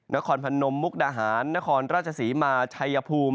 นครพนมมุกดาหารนครราชศรีมาชัยภูมิ